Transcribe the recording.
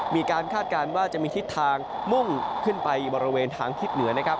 คาดการณ์ว่าจะมีทิศทางมุ่งขึ้นไปบริเวณทางทิศเหนือนะครับ